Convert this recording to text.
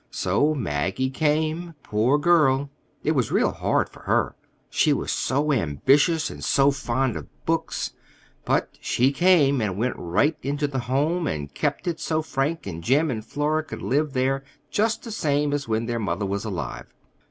So Maggie came. Poor girl! It was real hard for her. She was so ambitious, and so fond of books. But she came, and went right into the home and kept it so Frank and Jim and Flora could live there just the same as when their mother was alive.